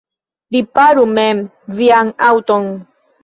Riparu mem vian aŭton.